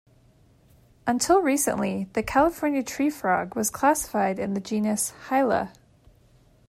Until recently, the California tree frog was classified in the genus "Hyla".